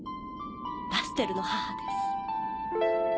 ラステルの母です。